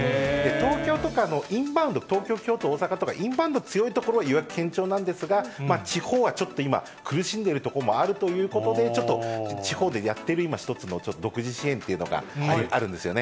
東京とかのインバウンド、東京、京都、大阪とかインバウンド強い所は予約堅調なんですが、地方はちょっと今、苦しんでいる所もあるということで、ちょっと地方でやってる、今、１つの独自支援というのがあるんですよね。